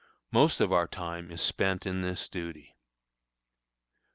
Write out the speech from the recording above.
Most of our time is spent in this duty.